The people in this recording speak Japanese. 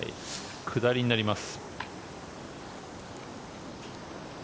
下りになります。